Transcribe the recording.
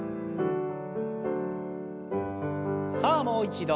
さあもう一度。